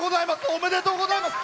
おめでとうございます！